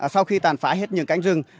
sau khi tàn phá hết những cánh rừng